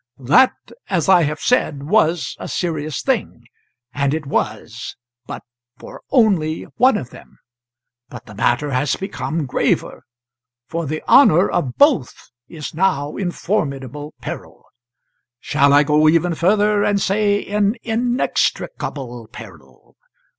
"That, as I have said, was a serious thing. And it was but for only one of them. But the matter has become graver; for the honour of both is now in formidable peril. Shall I go even further, and say in inextricable peril?